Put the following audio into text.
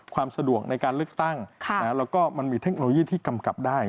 ความสะดวกในการเลือกตั้งแล้วก็มันมีเทคโนโลยีที่กำกับได้